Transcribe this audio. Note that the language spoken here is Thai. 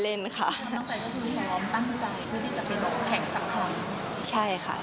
ความต้องใจก็คือสงอมตั้งใจด้วยมีจัดการแข่งสำคัญ